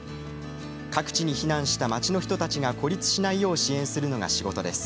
各地に避難した町の人たちが孤立しないよう支援するのが仕事です。